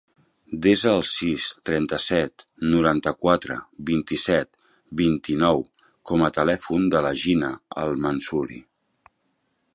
Desa el sis, trenta-set, noranta-quatre, vint-i-set, vint-i-nou com a telèfon de la Gina El Mansouri.